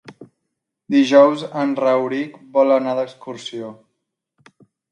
Dijous en Rauric vol anar d'excursió.